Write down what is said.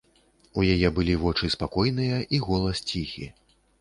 У яе былі вочы спакойныя і голас ціхі.